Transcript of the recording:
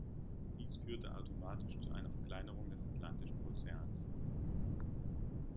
Dies führte automatisch zu einer Verkleinerung des Atlantischen Ozeans.